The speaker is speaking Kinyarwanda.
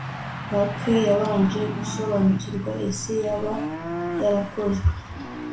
parker yabanje gusobanukirwa isi yaba yarakozwe